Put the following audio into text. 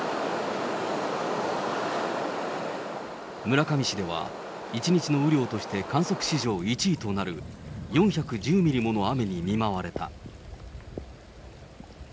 村上市では、１日の雨量として観測史上１位となる、４１０ミリもの雨に見舞われた。